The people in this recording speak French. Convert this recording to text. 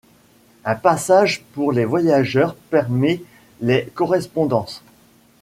Un passage pour les voyageurs permet les correspondances.